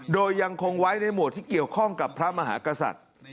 โดยยังคงไว้ในหมวดที่เกี่ยวข้องกับพระมหากษัตริย์